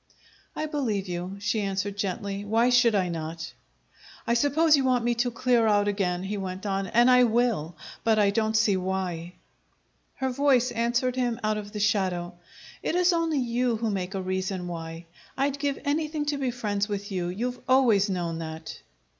"I believe you," she answered gently. "Why should I not?" "I suppose you want me to clear out again," he went on, "and I will; but I don't see why." Her voice answered him out of the shadow: "It is only you who make a reason why. I'd give anything to be friends with you; you've always known that."